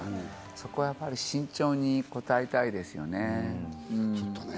そこは慎重に応えたいですよね。